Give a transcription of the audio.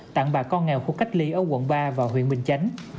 tặng bà con nghèo khu cách ly ở quận ba và huyện bình chánh